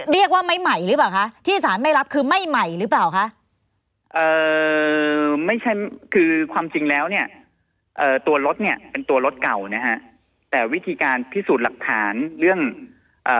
เอ่อตัวรถเนี้ยเป็นตัวรถเก่านะฮะแต่วิธีการพิสูจน์หลักฐานเรื่องเอ่อ